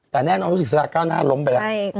แต่แน่นอนวิศักดิ์สุราค์ก้าวหน้าล้มไปแล้ว